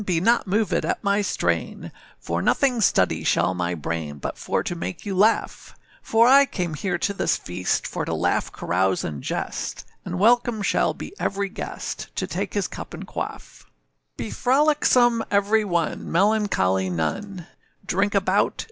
Be not movèd at my strain, For nothing study shall my brain, But for to make you laugh: For I came here to this feast, For to laugh, carouse, and jest, And welcome shall be every guest, To take his cup and quaff. Cho. Be frolicsome, every one, Melancholy none; Drink about!